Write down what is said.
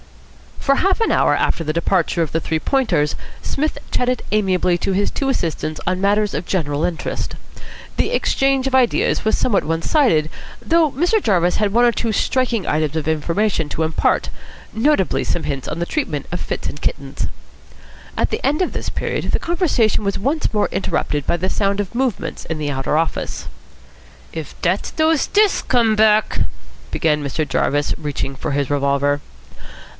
For half an hour after the departure of the Three Pointers Psmith chatted amiably to his two assistants on matters of general interest. The exchange of ideas was somewhat one sided, though Mr. Jarvis had one or two striking items of information to impart, notably some hints on the treatment of fits in kittens. At the end of this period the conversation was once more interrupted by the sound of movements in the outer office. "If dat's dose stiffs come back " began Mr. Jarvis, reaching for his revolver.